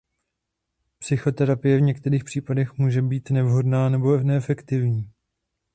Psychoterapie v některých případech může být nevhodná nebo neefektivní.